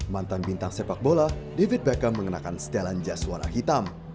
mantan bintang sepak bola david beckham mengenakan setelan jas warna hitam